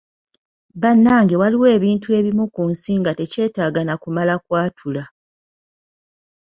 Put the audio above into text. Bannange waliwo ebintu ebimu ku nsi nga tekyetaaga na kumala kwatula.